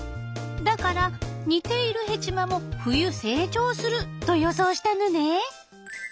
だから似ているヘチマも冬成長すると予想したのね。